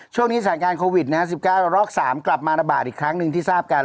ช่วงนี้สถานการณ์โควิด๑๙รอก๓กลับมาระบาดอีกครั้งหนึ่งที่ทราบกัน